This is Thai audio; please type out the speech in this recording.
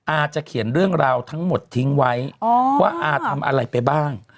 อาจะเขียนเรื่องราวทั้งหมดทิ้งไว้ว่าอาทำอะไรไปบ้าง